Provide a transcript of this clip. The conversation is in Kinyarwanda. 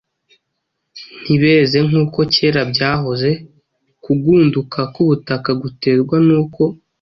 ntibeze nk’uko kera byahoze. Kugunduka k’ubutaka guterwa n’uko